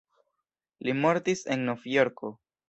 Li mortis en Novjorko.